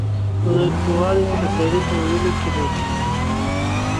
زورکۍ واله يا د سړۍ په ویي کې ده